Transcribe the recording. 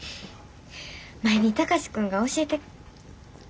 前に貴司君が教えて。